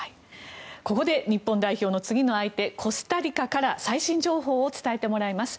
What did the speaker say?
ここで日本代表の次の相手コスタリカから最新情報を伝えてもらいます。